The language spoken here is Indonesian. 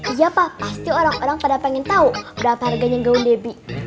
iya pak pasti orang orang pada pengen tahu berapa harganya gaun debi